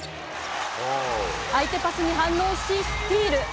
相手パスに反応し、スティール。